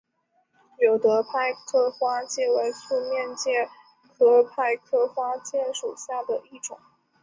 有德派克花介为粗面介科派克花介属下的一个种。